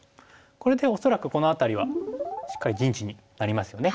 これで恐らくこの辺りはしっかり陣地になりますよね。